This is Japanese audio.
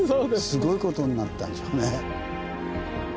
すごいことになったんでしょうね。